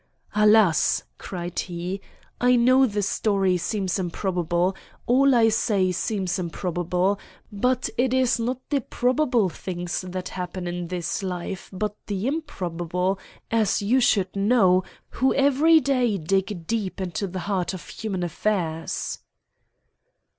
"Alas!" cried he, "I know the story seems improbable; all I say seems improbable; but it is not the probable things that happen in this life, but the improbable, as you should know, who every day dig deep into the heart of human affairs."